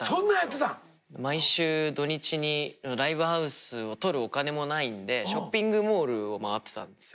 毎週土日にライブハウスをとるお金もないんでショッピングモールを回ってたんですよ。